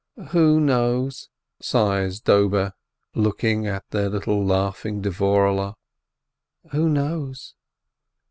"Who knows?" sighs Dobe, looking at their little laughing Dvorehle. "Who knows